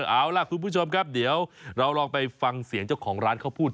เอาล่ะคุณผู้ชมครับเดี๋ยวเราลองไปฟังเสียงเจ้าของร้านเขาพูด